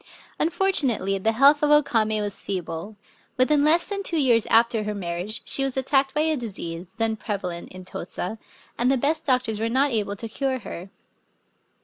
Unfortunately the health of O Kame was feeble. Within less than two years after her marriage she was attacked by a disease, then prevalent in Tosa, and the best doctors were not able to cure her.